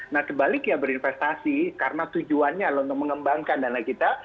nah sebaliknya berinvestasi karena tujuannya untuk mengembangkan dana kita